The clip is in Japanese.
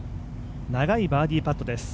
長いバーディーパットです。